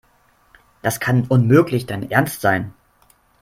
Das kann unmöglich dein Ernst sein.